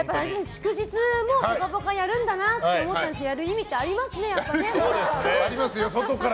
祝日も「ぽかぽか」やるんだなって思ったんですけどやる意味ってありますねやっぱりね。ありますよ。